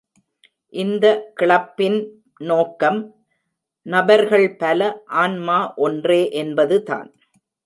இந்த கிளப்பின் நோக்கம் "நபர்கள் பல, ஆன்மா ஒன்றே" என்பது தான்.